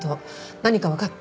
何かわかった？